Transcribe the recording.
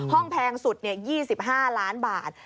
ห้องแพงสุด๒๕ล้านบาท